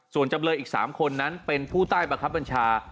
ส่วนจำเลยอีก๓คนนั้นเป็นผู้ใต้บังคับบัญชา